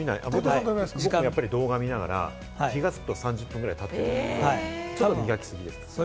僕も動画を見ながら気が付くと３０分ぐらいたってるんですけど、ちょっと磨きすぎですか？